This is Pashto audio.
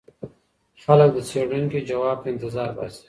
خلګ د څېړونکي ځواب ته انتظار باسي.